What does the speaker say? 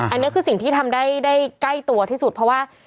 อันนี้คือสิ่งที่ทำได้ใกล้ตัวที่สุดเพราะว่า